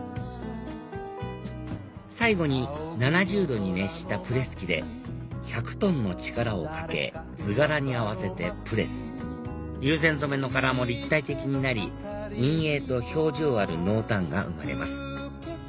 最後に７０℃に熱したプレス機で１００ｔの力をかけ図柄に合わせてプレス友禅染めの柄も立体的になり陰影と表情ある濃淡が生まれます